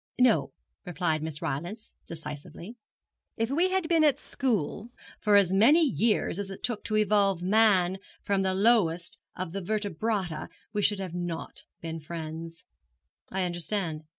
'No,' replied Miss Rylance, decisively; 'if we had been at school for as many years as it took to evolve man from the lowest of the vertebrata we should not have been friends.' 'I understand.